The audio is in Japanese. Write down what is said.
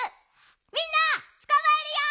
みんなつかまえるよ！